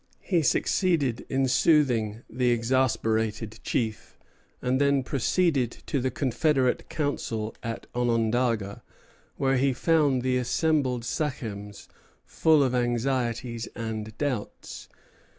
He succeeded in soothing the exasperated chief, and then proceeded to the confederate council at Onondaga, where he found the assembled sachems full of anxieties and doubts.